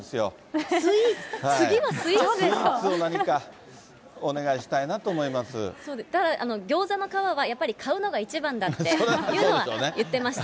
スイーツを何かお願いしたいギョーザの皮は、やっぱり買うのが一番だっていうのは言ってました。